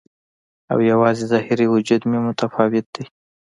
او یوازې ظاهري وجود مې متفاوت دی